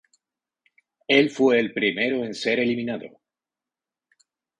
Él fue el primero en ser eliminado.